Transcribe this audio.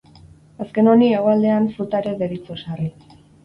Azken honi, Hegoaldean, fruta ere deritzo sarri.